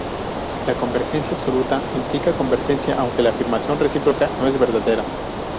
La convergencia absoluta implica convergencia, aunque la afirmación recíproca no es verdadera.